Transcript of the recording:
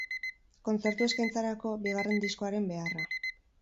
Kontzertu eskaintzarako, bigarren diskoaren beharra.